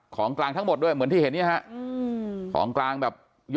ของกลางทั้งหมดด้วยเหมือนที่เห็นนี่ฮะของกลางแบบ